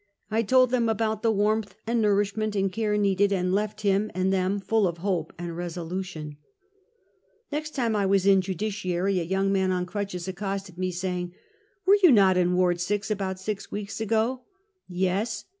I told them about the warmth and nourishment and care needed, and left him and them full of hope and resolution. Life and Death. 299 IText time I was in Judiciary, a yoimg man on crutches accosted me, saying :" Were not you in Ward Six, about six weeks ago?" "Yes!"